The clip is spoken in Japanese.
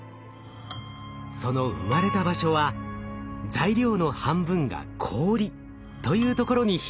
その生まれた場所は材料の半分が氷というところにヒントがあります。